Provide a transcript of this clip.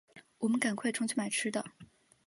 我们赶快冲去买吃的